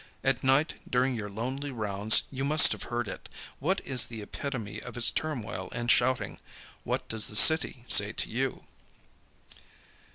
At night during your lonely rounds you must have heard it. What is the epitome of its turmoil and shouting? What does the city say to you?"